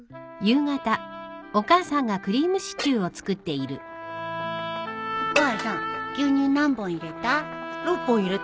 お母さん牛乳何本入れた？